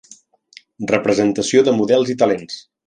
Representació de models i talents.